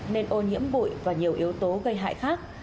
nên ô nhiễm bụi và nhiều yếu tố gây hại khác